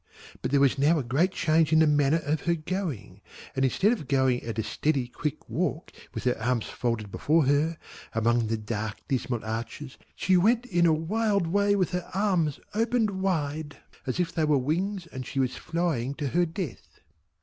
But there was now a great change in the manner of her going, and instead of going at a steady quick walk with her arms folded before her, among the dark dismal arches she went in a wild way with her arms opened wide, as if they were wings and she was flying to her death.